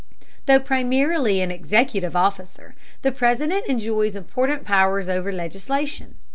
Though primarily an executive officer, the President enjoys important powers over legislation.